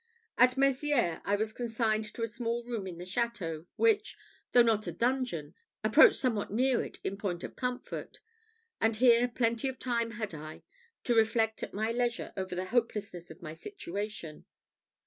At Mezières I was consigned to a small room in the château, which, though not a dungeon, approached somewhat near it in point of comfort; and here plenty of time had I to reflect at my leisure over the hopelessness of my situation.